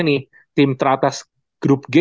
ini tim teratas grup g